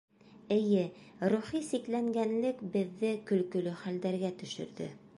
Эйе, рухи сикләнгәнлек беҙҙе көлкөлө хәлдәргә төшөрҙө.